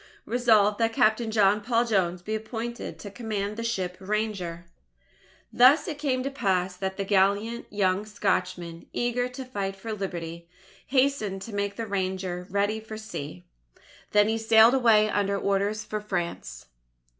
Resolved: that Captain John Paul Jones be appointed to command the ship Ranger. Thus it came to pass that the gallant young Scotchman, eager to fight for Liberty, hastened to make the Ranger ready for sea. Then he sailed away under orders for France.